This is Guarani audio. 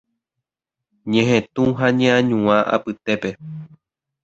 ñehetũ ha ñeañuã apytépe.